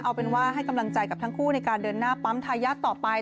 เอาเป็นว่าให้กำลังใจกับทั้งคู่ในการเดินหน้าปั๊มทายาทต่อไป